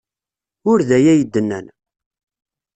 Ur d aya ay d-nnan.